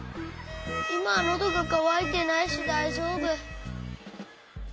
いまはのどがかわいてないしだいじょうぶ。